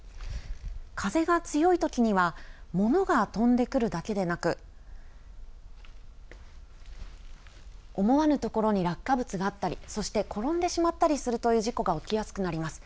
風が強いときには、ものが飛んでくるだけでなく思わぬところに落下物があったり、そして、転んでしまったりするという事故が起きやすくなります。